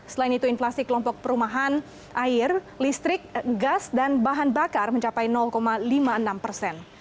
selain itu inflasi kelompok perumahan air listrik gas dan bahan bakar mencapai lima puluh enam persen